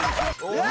うわ！